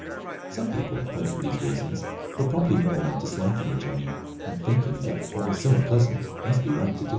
Some people went for these reasons, but probably more went disliking the journey and thinking that what was so unpleasant must be right to do.